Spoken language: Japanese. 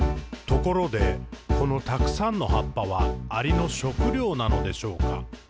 「ところで、このたくさんの葉っぱは、アリの食料なのでしょうか？